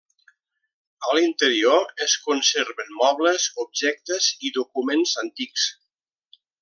A l'interior es conserven mobles, objectes i documents antics.